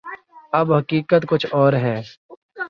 اب حقیقت کچھ اور ہے۔